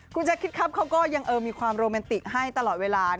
คุณแจ๊คคิดครับเขาก็ยังมีความโรแมนติกให้ตลอดเวลา